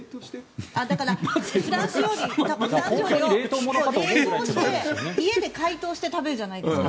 だから、フランス料理を冷凍して家で解凍して食べるじゃないですか。